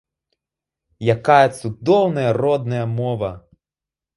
Якая цудоўная родная мова!